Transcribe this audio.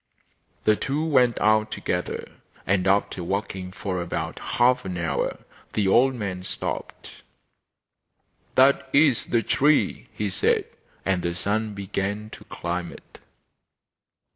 The two went out together, and after walking for about half an hour they old man stopped. 'That is the tree,' he said. And the son began to climb it.